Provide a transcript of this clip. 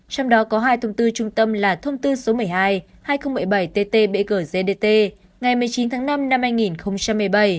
trong đó có hai thông tư trung tâm là thông tư số một mươi hai hai nghìn một mươi bảy tt bgdt ngày một mươi chín tháng năm năm hai nghìn một mươi bảy